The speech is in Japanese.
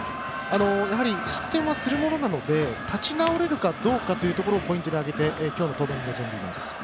やはり失点はするものなので立ち直れるかどうかをポイントに挙げて今日の登板に臨んでいます。